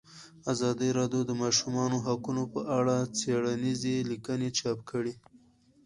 ازادي راډیو د د ماشومانو حقونه په اړه څېړنیزې لیکنې چاپ کړي.